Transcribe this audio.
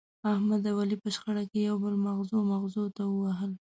احمد او علي په شخړه کې یو بل مغزو مغزو ته ووهل.